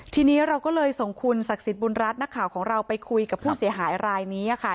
ทีนี้เราก็เลยส่งคุณศักดิ์สิทธิ์บุญรัฐนักข่าวของเราไปคุยกับผู้เสียหายรายนี้ค่ะ